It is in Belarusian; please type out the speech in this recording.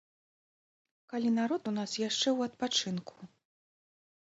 Калі народ у нас яшчэ ў адпачынку.